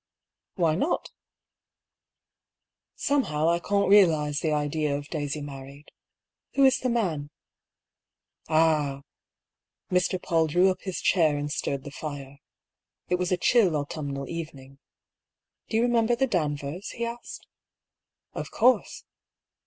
" Why not ?"*' Somehow I can't realise the idea of Daisy married. Who is the man ?"" Ah !" Mr. Paull drew up his chair and stirred the fire. It was a chill autumnal evening. " Do you re member the Danvers ?" he asked. "Of course."